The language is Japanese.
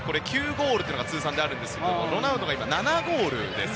９ゴールというのがあるんですがロナウドが７ゴールです。